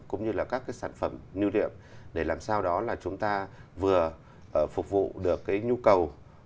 các là sản phẩm lưu điệm để làm sao đó là chúng ta vừa phục vụ được cái nhu cầu